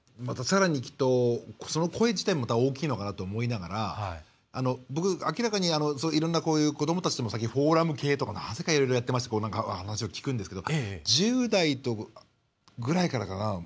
きっと、その声自体も大きいのかなと思いながら僕、明らかにいろんな、子どもたちのフォーラム系とかいろいろやってまして話を聞くんですけど１０代ぐらいからかな。